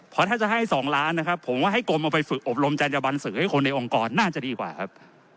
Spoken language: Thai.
เพราะถ้าจะให้๒ล้านนะครับผมว่าให้กรมเอาไปฝึกอบรมจัญญบันสื่อให้คนในองค์กรน่าจะดีกว่าครับ